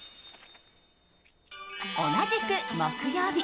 同じく、木曜日。